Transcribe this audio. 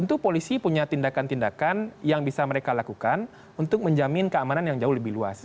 tentu polisi punya tindakan tindakan yang bisa mereka lakukan untuk menjamin keamanan yang jauh lebih luas